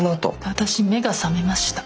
私目が覚めました。